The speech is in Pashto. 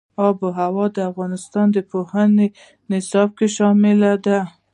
آب وهوا د افغانستان د پوهنې نصاب کې شامل دي.